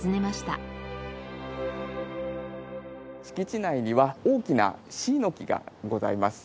敷地内には大きな椎の木がございます。